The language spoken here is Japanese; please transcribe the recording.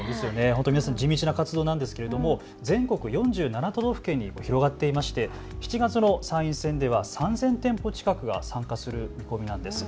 本当、皆さん地道な活動なんですけれども全国４７都道府県に広がっていまして７月の参院選では３０００店舗が参加する見込みなんです。